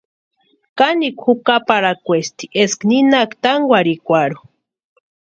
Kanikwa jukaparhakwaesti eska ninhaaka tánkwarhikwarhu.